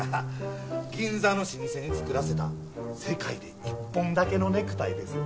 銀座の老舗に作らせた世界で一本だけのネクタイです。